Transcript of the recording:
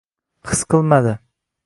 His qilmadi